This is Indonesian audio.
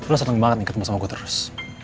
lo seneng banget nih ketemu sama gue terus